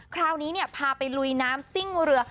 คราวนี้พาไปลุยน้ำซิ่งเรือ